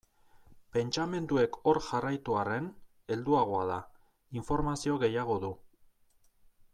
Pentsamenduek hor jarraitu arren, helduagoa da, informazio gehiago du.